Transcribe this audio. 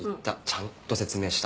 ちゃんと説明した。